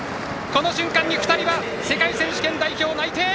この瞬間２人は世界選手権代表内定！